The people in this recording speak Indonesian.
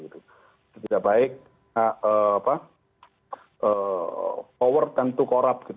tidak baik power tentu corrup